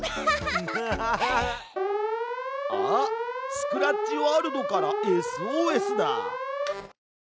スクラッチワールドからＳＯＳだ！